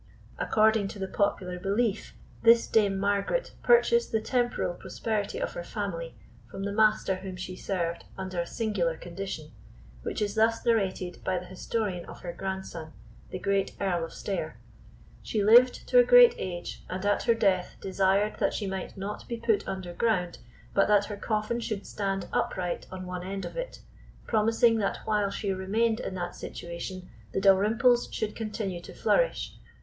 According to the popular belief, this Dame Margaret purchased the temporal prosperity of her family from the Master whom she served under a singular condition, which is thus narrated by the historian of her grandson, the great Earl of Stair: "She lived to a great age, and at her death desired that she might not be put under ground, but that her coffin should stand upright on one end of it, promising that while she remained in that situation the Dalrymples should continue to flourish.